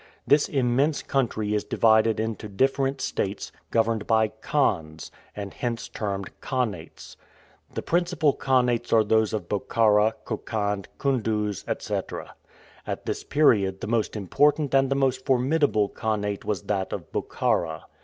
This immense country is divided into different states, governed by Khans, and hence termed Khanats. The principal khanats are those of Bokhara, Khokhand, Koondooz, etc. At this period, the most important and the most formidable khanat was that of Bokhara.